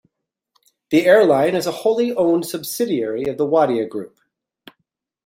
The airline is a wholly owned subsidiary of the Wadia Group.